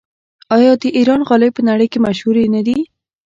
آیا د ایران غالۍ په نړۍ کې مشهورې نه دي؟